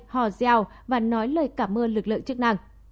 hò rèo và nói lời cảm ơn lực lượng chức năng